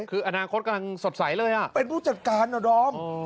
คืออนาคตกำลังสดใสเลยเป็นผู้จัดการนะดอม